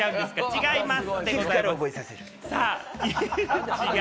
違います！